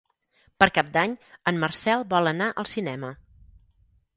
Per Cap d'Any en Marcel vol anar al cinema.